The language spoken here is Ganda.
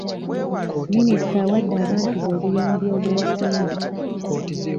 Minisita awadde abantu be obuyambi obw'ensimbi.